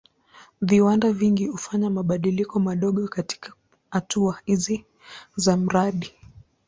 Viwanda vingi hufanya mabadiliko madogo katika hatua hizi za mradi.